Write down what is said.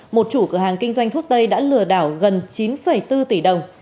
một chủ cửa hàng kinh doanh thuốc tây đã lừa đảo gần chín bốn tỷ đồng